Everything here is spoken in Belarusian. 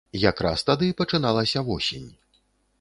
Якраз тады пачыналася восень.